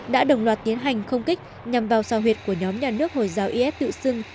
đã đồng loạt tiến hành không kích nhằm vào sao huyệt của nhóm nhà nước hồi giáo is tự xưng